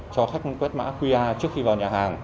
cho khách quét mã qr trước khi vào nhà hàng